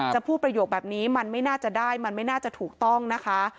จะพูดประโยคแบบนี้มันไม่น่าจะได้มันไม่น่าจะถูกต้องนะคะ